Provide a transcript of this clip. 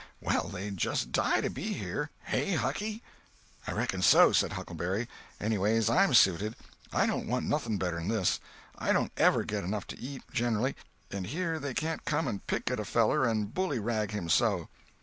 Well, they'd just die to be here—hey, Hucky!" "I reckon so," said Huckleberry; "anyways, I'm suited. I don't want nothing better'n this. I don't ever get enough to eat, gen'ally—and here they can't come and pick at a feller and bullyrag him so."